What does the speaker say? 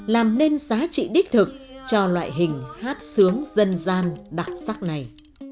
làm nên giá trị đích thực cho loại hình hát sướng dân gian đặc sắc này